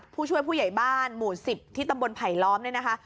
ผู้ช่วยผู้ใหญ่บ้านหมู่๑๐ที่ตำบลไผลล้อมเนี่ยนะคะ